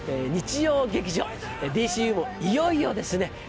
日曜劇場「ＤＣＵ」もいよいよですね